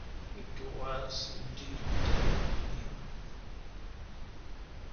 It was, indeed, their opinion.